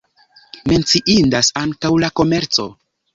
Menciindas ankaŭ la komerco.